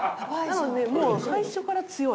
なのでもう最初から強い。